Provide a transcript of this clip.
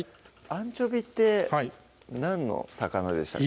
アンチョビーって何の魚でしたっけ？